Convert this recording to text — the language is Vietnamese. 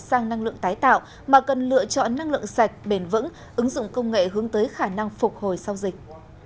sang năng lượng tái tạo mà cần lựa chọn năng lượng sạch bền vững ứng dụng công nghệ hướng tới khả năng phục hồi sau dịch